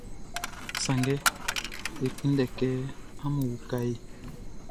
Sanngɛ e kunndɛ kɛ amun uka e.